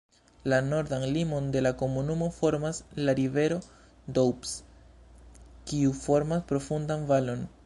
La nordan limon de la komunumo formas la rivero Doubs, kiu formas profundan valon.